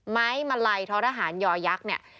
ไม้มะลัยท้อระหารยอยักษ์